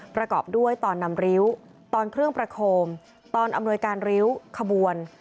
ประกอบด้วยตอนนำริ้วตอนเครื่องประโคมตอนอำนวยการริ้วขบวน